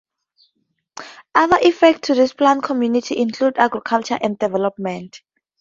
Other effects to this plant community include agriculture and development.